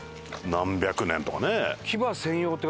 何百年とかね。